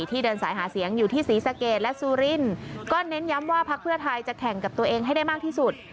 เดินสายหาเสียงอยู่ที่ศรีสะเกดและซูรินก็เน้นย้ำว่าพักเพื่อไทยจะแข่งกับตัวเองให้ได้มากที่สุด